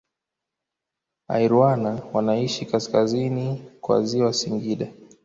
Airwana wanaishi kaskazini kwa ziwa Singida